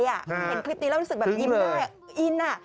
เห็นคลิปนี้แล้วรู้สึกแบบยิ้มได้อินอ่ะ